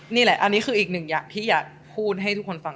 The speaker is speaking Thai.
นี่แหละอันนี้คืออีกหนึ่งอย่างที่อยากพูดให้ทุกคนฟัง